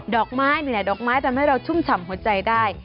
อกไม้นี่แหละดอกไม้ทำให้เราชุ่มฉ่ำหัวใจได้